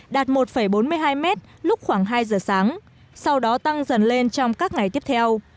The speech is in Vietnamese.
đạt một bốn mươi hai mét lúc khoảng hai giờ sáng sau đó tăng dần lên trong các ngày tiếp theo